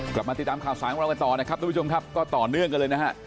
กลับมาติดตามข่าวสารของเรากันต่อนะครับทุกผู้ชมครับก็ต่อเนื่องกันเลยนะฮะ